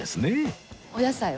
お野菜は？